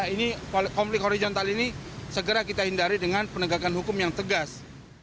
ini konflik horizontal ini segera kita hindari dengan penegakan hukum yang tegas